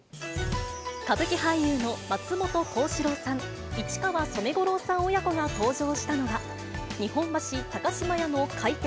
歌舞伎俳優の松本幸四郎さん、市川染五郎さん親子が登場したのは、日本橋高島屋の開店